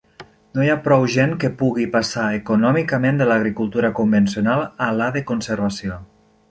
No hi ha prou gent que pugui passar econòmicament de l'agricultura convencional a la de conservació.